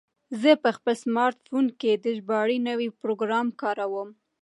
زه په خپل سمارټ فون کې د ژباړې نوی پروګرام کاروم.